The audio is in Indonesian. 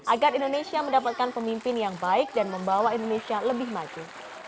agar indonesia mendapatkan pemimpin yang baik dan membawa indonesia lebih maju